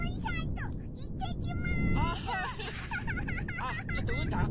あっちょっとうーたん